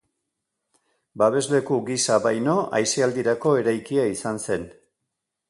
Babesleku gisa baino aisialdirako eraikia izan zen.